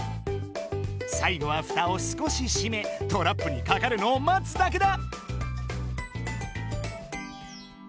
最後はフタを少ししめトラップにかかるのを待つだけだ！